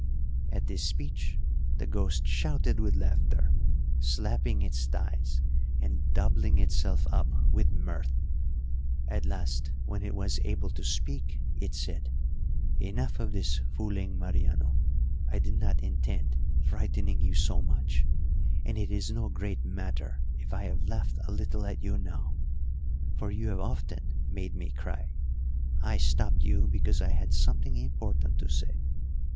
At this speech the ghost shouted with laughter, slapping its thighs, and doubling itself up with mirth. At last, when it was able to speak, it said, 'Enough of this fooling, Mariano. I did not intend frightening you so much; and it is no great matter if I have laughed a little at you now, for you have often made me cry. I stopped you because I had something important to say.